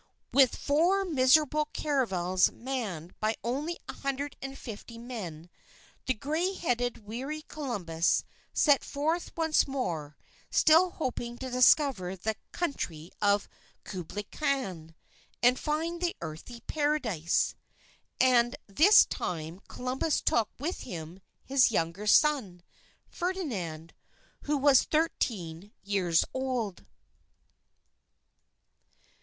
With four miserable caravels manned by only a hundred and fifty men, the gray headed, weary Columbus set forth once more still hoping to discover the country of Kublai Khan, and find the Earthly Paradise. And this time Columbus took with him his younger son, Ferdinand, who was thirteen years old.